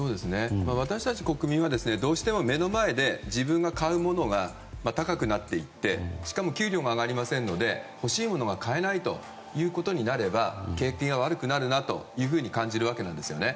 私たち国民はどうしても目の前で自分が買うものが高くなっていってしかも給料が上がりませんので欲しいものが買えないとなると景気が悪くなるなというふうに感じるわけなんですよね。